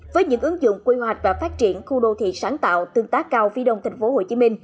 với những ứng dụng quy hoạch và phát triển khu đô thị sáng tạo tương tác cao phía đông thành phố hồ chí minh